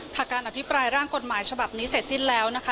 ถ้าการอภิปรายร่างกฎหมายฉบับนี้เสร็จสิ้นแล้วนะคะ